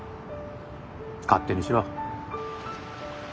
勝手にしろ。